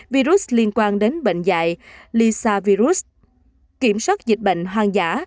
virus liên quan đến bệnh dạy lisa virus kiểm soát dịch bệnh hoang dã